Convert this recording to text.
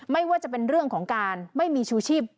ไม่ว่าจะเป็นเรื่องของการไม่มีชูชีพ